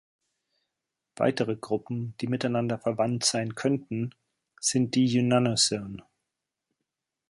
Weitere Gruppen, die miteinander verwandt sein könnten, sind die Yunnanozoone.